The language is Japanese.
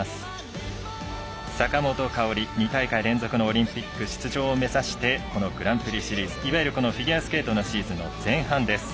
坂本花織、２大会連続のオリンピック出場を目指してグランプリシリーズいわゆるフィギュアスケートのシーズン前半です。